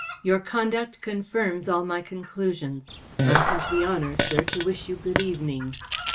Your conduct confirms all my conclusions. I have the honour, sir, to wish you good evening."